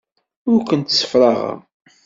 Ur kent-ssefraɣeɣ.